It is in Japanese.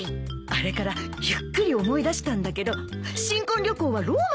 あれからゆっくり思い出したんだけど新婚旅行はローマに行ったみたいだ。